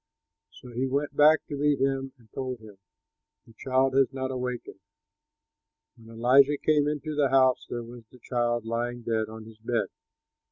So he went back to meet him and told him, "The child has not awakened." When Elisha came into the house, there was the child lying dead on his bed.